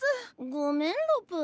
ごめんロプ。